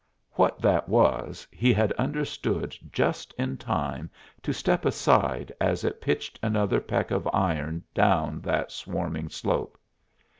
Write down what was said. What that was he had understood just in time to step aside as it pitched another peck of iron down that swarming slope.